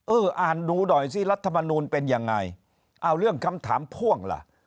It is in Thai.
อ่านดูหน่อยสิรัฐมนูลเป็นยังไงเอาเรื่องคำถามพ่วงล่ะ